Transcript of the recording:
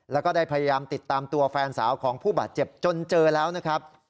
แล้วก็ได้พยายามติดตามตัวแฟนสาวของผู้บาดเจ็บจนเจอแล้วนะครับ